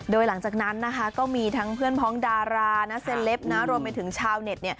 โดยหลังจากนั้นนะคะก็มีทั้งเพื่อนพ้องดารานะเซเลปรวมไปถึงชาวเน็ต